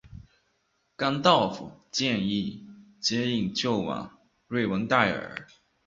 甘道夫建议接应救往瑞文戴尔。